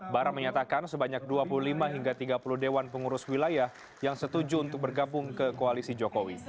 bara menyatakan sebanyak dua puluh lima hingga tiga puluh dewan pengurus wilayah yang setuju untuk bergabung ke koalisi jokowi